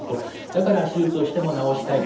だから手術をしても治したい。